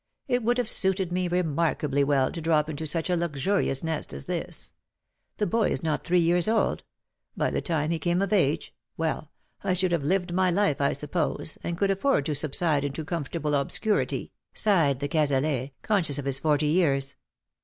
" It would have suited me remarkably well to drop into such a luxurious nest as this. The boy is not three years old — by the time he came of age — well — I should have lived my life^, I suppose, and could afford to subside into comfortable obscurity/'' sighed de Cazalet, conscious of his forty years.